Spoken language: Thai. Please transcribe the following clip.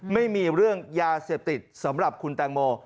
ไม่มีเรื่องยาเสพติดสำหรับคุณแตงโม